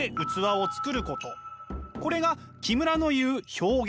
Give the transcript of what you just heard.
これが木村の言う表現。